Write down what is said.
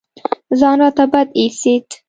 ځان راته بد اېسېد.